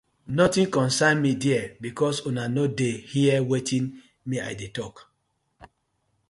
Notin concern mi there because una no dey hear wetin me I dey tok.